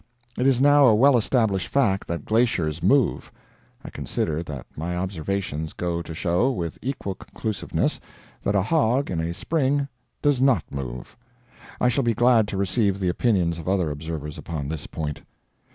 It is now a well established fact that glaciers move; I consider that my observations go to show, with equal conclusiveness, that a hog in a spring does not move. I shall be glad to receive the opinions of other observers upon this point.